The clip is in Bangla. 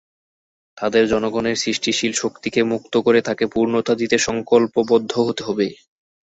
তাদের জনগণের সৃষ্টিশীল শক্তিকে মুক্ত করে তাকে পূর্ণতা দিতে সংকল্পবদ্ধ হতে হবে।